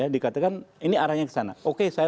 dikatakan ini arahnya ke sana oke saya